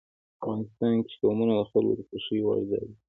افغانستان کې قومونه د خلکو د خوښې وړ ځای دی.